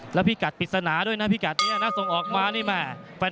แล้วพี่กัดปริศนาด้วยนะพี่กัดนี้นะส่งออกมานี่แม่